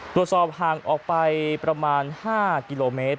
ตรวจสอบห่างออกไปประมาณ๕กิโลเมตร